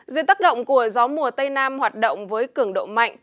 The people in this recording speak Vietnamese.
dưới tác động của gió mùa tây nam hoạt động với cường độ mạnh